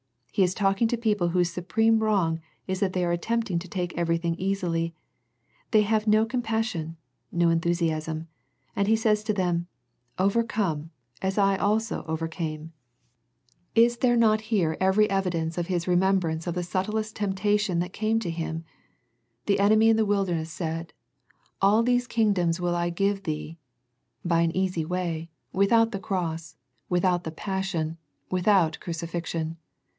He is talking to people whose supreme wrong is that they are attempting to take everything easily, they have no com passion, no enthusiasm, and He says to them " Overcome ... as I also overcame." Is there m^r The Laodicea Letter 213 not here every evidence of His remembrance of the subtlest temptation that came to Him? The enemy in the wilderness said "All these kingdoms will I give Thee'* by an easy way, without the Cross, without the passion, without crucifixion.